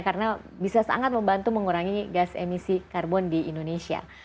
karena bisa sangat membantu mengurangi gas emisi karbon di indonesia